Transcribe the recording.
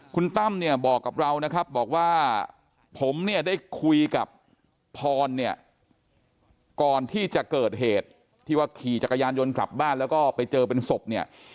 คุณตั้มเนี่ยบอกกับเรานะครับบอกว่าผมเนี่ยได้คุยกับพรเนี่ยก่อนที่จะเกิดเหตุที่ว่าขี่จักรยานยนต์กลับบ้านแล้วก็ไปเจอเป็นศพเนี่ย